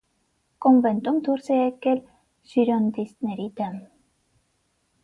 Կոնվենտում դուրս է եկել ժիրոնդիստների դեմ։